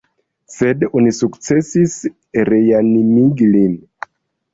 Sed oni sukcesis reanimigi lin.